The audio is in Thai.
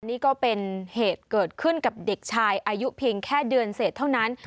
นี่ก็เป็นเหตุเกิดขึ้นกับเด็กชายอายุเพียงแค่เดือนเสร็จเท่านั้น